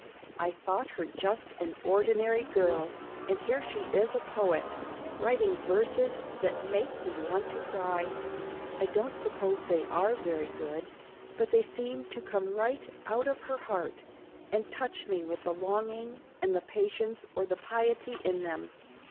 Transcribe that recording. "I thought her just an ordinary girl, and here she is a poet, writing verses that make me want to cry! I don't suppose they ARE very good, but they seem to come right out of her heart, and touch me with the longing and the patience or the piety in them.